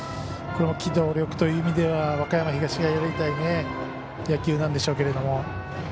これも機動力という意味では和歌山東がやりたい野球なんでしょうけど。